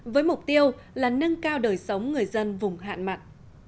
với mục tiêu là nâng cao đời sống người dân vùng hạn mặn